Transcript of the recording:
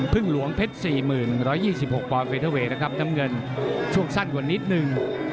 หลวงเพชร๔๑๒๖ปอนดเฟเทอร์เวย์นะครับน้ำเงินช่วงสั้นกว่านิดนึง